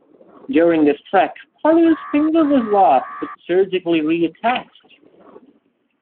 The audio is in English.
During this trek, part of his finger was lost but surgically reattached.